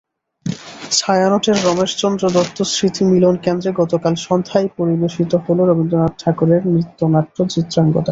ছায়ানটের রমেশচন্দ্র দত্ত স্মৃতি মিলনকেন্দ্রে গতকাল সন্ধ্যায় পরিবেশিত হলো রবীন্দ্রনাথ ঠাকুরের নৃত্যনাট্য চিত্রাঙ্গদা।